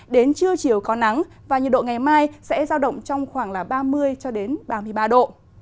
đến trưa chiều có nắng và nhiệt độ ngày mai sẽ giao động trong khoảng ba mươi ba mươi ba độ